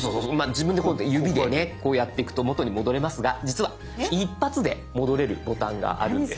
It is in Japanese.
自分でこうやって指でねこうやっていくと元に戻れますが実は一発で戻れるボタンがあるんです。